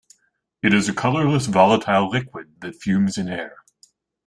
It is a colourless volatile liquid that fumes in air.